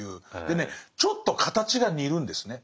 でねちょっと形が似るんですね。